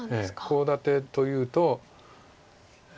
コウ立てというと。